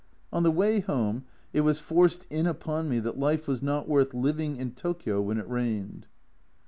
On the way home it was forced in upon me that life was not worth living in Tokio when it rained.